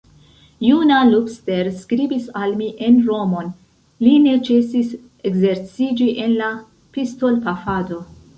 Juna Lobster skribis al mi en Romon; li ne ĉesis ekzerciĝi en la pistolpafado.